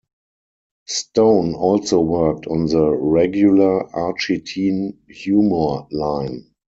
Stone also worked on the regular Archie teen-humor line.